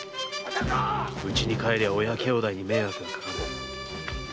うちに帰りゃ親兄弟に迷惑がかかる。